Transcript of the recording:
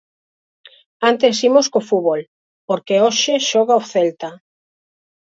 Antes imos co fútbol, porque hoxe xoga o Celta.